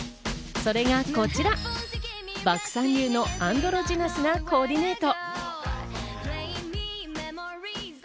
それがこちら、漠さん流のアンドロジナスなコーディネート。